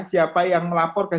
siapa yang melaporkan